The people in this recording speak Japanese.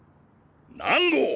南郷！